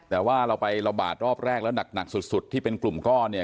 แต่ว่าเราไประบาดรอบแรกแล้วหนักสุดที่เป็นกลุ่มก้อนเนี่ย